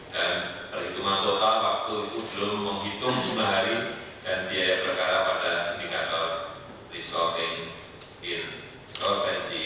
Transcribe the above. dan perhitungan total waktu itu belum menghitung jumlah hari dan biaya berkara pada indikator resolving in solvency